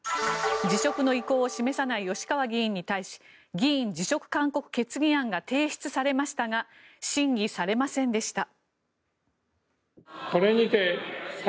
辞職の意向を示さない吉川議員に対し議員辞職勧告決議案が提出されましたが審議されませんでした。